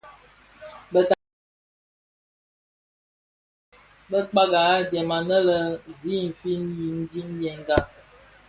Bë taato bis bekpag adyèm annë zi i niň niñdènga.